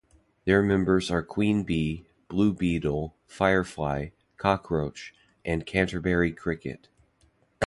Their members are Queen Bee, Blue Beetle, Firefly, Cockroach, and Canterbury Cricket.